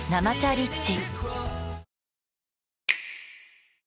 リッチ